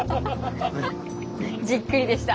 じっくりでした。